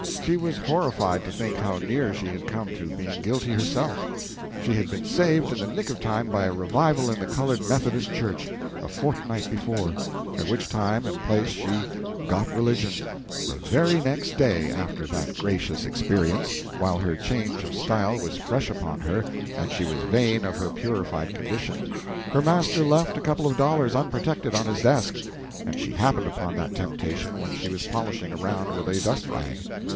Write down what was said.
She was horrified to think how near she had come to being guilty herself; she had been saved in the nick of time by a revival in the colored Methodist Church, a fortnight before, at which time and place she "got religion." The very next day after that gracious experience, while her change of style was fresh upon her and she was vain of her purified condition, her master left a couple dollars lying unprotected on his desk, and she happened upon that temptation when she was polishing around with a dust rag.